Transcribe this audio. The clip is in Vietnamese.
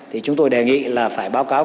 thì chúng tôi đề nghị là phải báo cáo